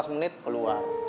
lima belas menit keluar